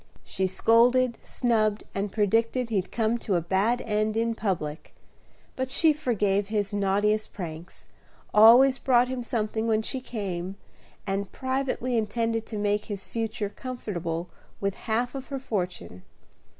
She scolded, snubbed, and predicted he'd come to a bad end in public; but she forgave his naughtiest pranks, always brought him something when she came, and privately intended to make his future comfortable with half of her fortune.